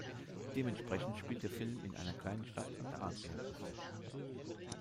Dementsprechend spielt der Film in einer kleinen Stadt an der Adriaküste.